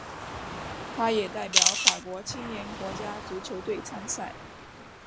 他也代表法国青年国家足球队参赛。